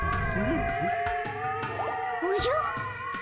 おじゃ？